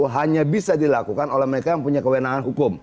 hanya bisa dilakukan oleh mereka yang punya kewenangan hukum